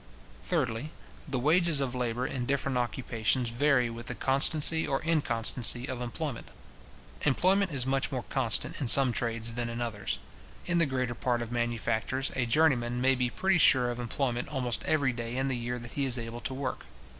Thirdly, the wages of labour in different occupations vary with the constancy or inconstancy of employment. Employment is much more constant in some trades than in others. In the greater part of manufactures, a journeyman maybe pretty sure of employment almost every day in the year that he is able to work.